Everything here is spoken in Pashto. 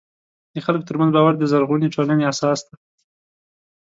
د خلکو ترمنځ باور د زرغونې ټولنې اساس دی.